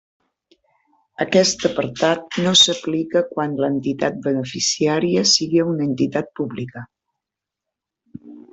Aquest apartat no s'aplica quan l'entitat beneficiària siga una entitat pública.